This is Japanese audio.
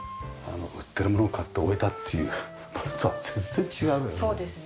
売ってるものを買って置いたっていう事とは全然違うよね。